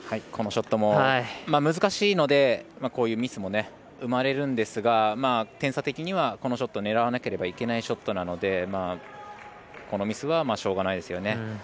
このショットも難しいのでこういうショットも生まれるんですが点差的には、このショット狙わなければいけないショットなのでこのミスはしょうがないですよね。